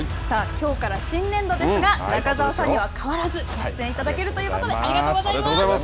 きょうから新年度ですが中澤さんには変わらずご出演いただけるということでありがとうございます！